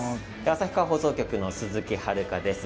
旭川放送局の鈴木遥です。